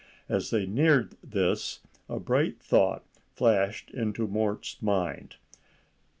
As they neared this a bright thought flashed into Mort's mind.